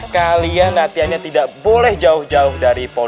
kalian latihannya tidak boleh jauh jauh dari